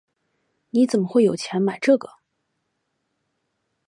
你怎么会有钱买这个？